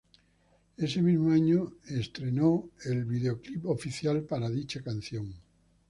Ese mismo año estrenó el videoclip oficial para dicha canción.